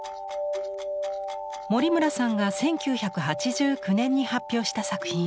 森村さんが１９８９年に発表した作品。